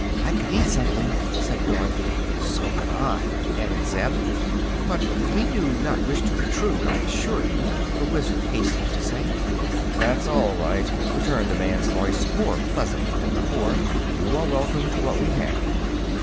"I could eat something," said Dorothy. "So could I," added Zeb. "But we do not wish to intrude, I assure you," the Wizard hastened to say. "That's all right," returned the man's voice, more pleasantly than before. "You are welcome to what we have."